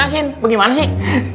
asin bagaimana sih